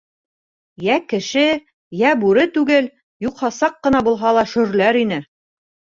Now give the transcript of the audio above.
— Йә кеше, йә бүре түгел, юҡһа саҡ ҡына булһа ла шөрләр ине.